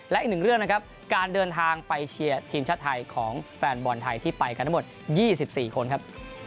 และอีกหนึ่งเรื่องนะครับการเดินทางไปเชียร์ทีมชาติไทยของแฟนบอลไทยที่ไปกันทั้งหมด๒๔คนครับ